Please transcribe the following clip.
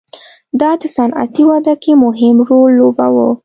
دا د صنعتي وده کې مهم رول ولوباوه.